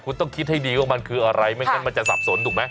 คุณต้องคิดให้ดีว่ามันคืออะไรไม่งั้นมันจะสับสนถูกไหม